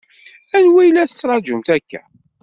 Anwa i la tettṛaǧumt akka?